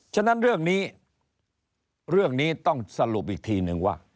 ฉะนั้นเรื่องนี้เรื่องนี้ต้องสรุปอีกทีนึงว่า